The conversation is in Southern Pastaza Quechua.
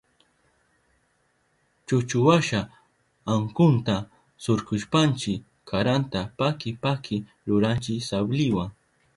Chuchuwasha ankunta surkushpanchi karanta paki paki ruranchi sabliwa.